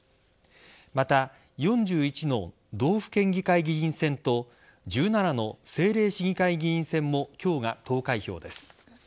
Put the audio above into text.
また、４１の道府県議会議員選と１７の政令市議会議員選も今日が投開票です。